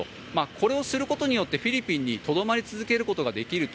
これをすることによってフィリピンにとどまり続けることができると。